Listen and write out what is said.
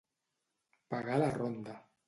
Pagar la ronda.